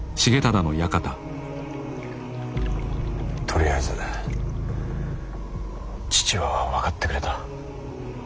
とりあえず父は分かってくれた。